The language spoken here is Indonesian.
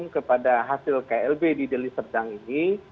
kepada hasil klb di deli serdang ini